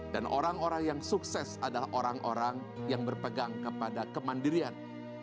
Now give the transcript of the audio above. dan orang orang yang sukses adalah orang orang yang berpegang kepada kemandirian